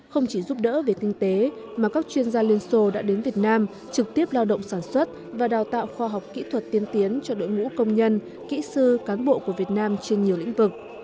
không chỉ giúp đỡ về kinh tế mà các chuyên gia liên xô đã đến việt nam trực tiếp lao động sản xuất và đào tạo khoa học kỹ thuật tiên tiến cho đội ngũ công nhân kỹ sư cán bộ của việt nam trên nhiều lĩnh vực